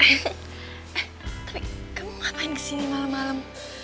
tapi kamu ngapain kesini malem malem